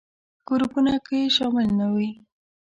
ګروپونو کې شامل نه وي.